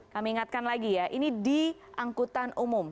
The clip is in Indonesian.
kami ingatkan lagi ya ini di angkutan umum